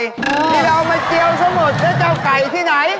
ที่เราเอามาเจียวสมุดแล้วจะเอาไก่ที่ไหน